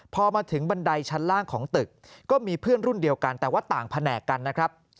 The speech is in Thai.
พอมาถึงบันไดชั้นล่างของตึกก็มีเพื่อนรุ่นเดียวกันแต่ว่าต่างแผนกกันนะครับ